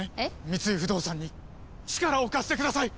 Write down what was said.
三井不動産に力を貸してください！